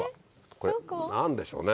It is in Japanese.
これ何でしょうね。